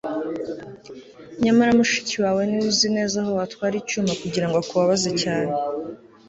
nyamara mushiki wawe niwe uzi neza aho watwara icyuma kugirango akubabaze cyane